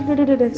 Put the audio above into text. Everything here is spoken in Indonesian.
duh duh duh